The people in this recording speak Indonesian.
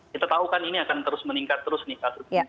kita tahu kan ini akan terus meningkat terus nih